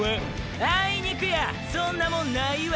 あいにくやそんなもんないわ。